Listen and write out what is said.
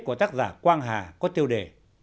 của tác giả quang hà có tiêu đề